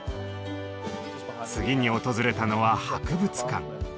次に訪れたのは博物館。